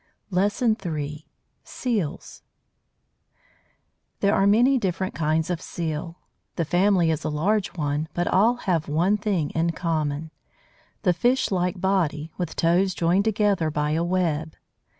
LESSON III SEALS There are many different kinds of Seal; the family is a large one, but all have one thing in common the fish like body, with toes joined together by a web.